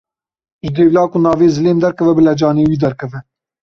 Ji dêvla ku navê zilêm derkeve bila canê wî derkeve.